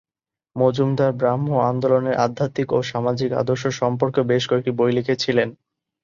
মজুমদার ব্রাহ্ম আন্দোলনের আধ্যাত্মিক ও সামাজিক আদর্শ সম্পর্কেও বেশ কয়েকটি বই লিখেছিলেন।